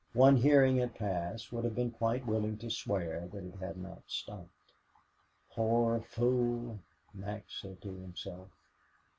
One hearing it pass would have been quite willing to swear that it had not stopped. "Poor fool," Max said to himself.